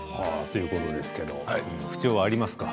ということですけど不調はありますか？